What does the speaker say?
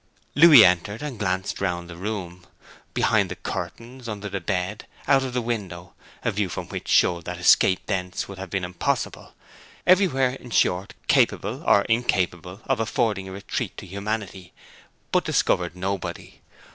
Louis entered, and glanced round the room, behind the curtains, under the bed, out of the window a view from which showed that escape thence would have been impossible, everywhere, in short, capable or incapable of affording a retreat to humanity; but discovered nobody.